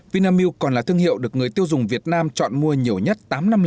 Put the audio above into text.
vinamilk còn là thương hiệu được người tiêu dùng việt nam chọn mua nhiều nhất